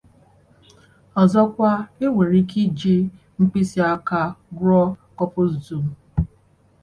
Ọzọkwa, enwere ike iji mkpịsị aka rụọ corpus dum.